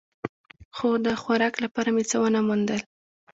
خو د خوراک لپاره مې څه و نه موندل.